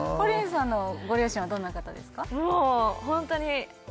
ＰＯＲＩＮさんのご両親はどんな方ですか？